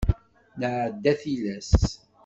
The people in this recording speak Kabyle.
Nɛedda tilas.